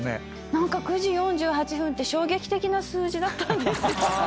何か９時４８分って衝撃的な数字だったんです。